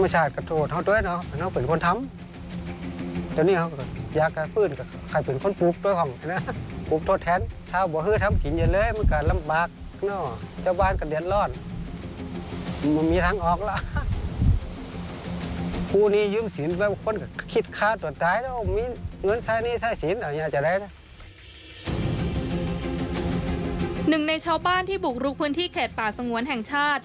หนึ่งในชาวบ้านที่บุกรุกพื้นที่เขตป่าสงวนแห่งชาติ